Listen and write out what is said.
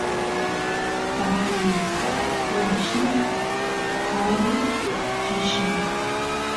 tataypa wasin karu tiyan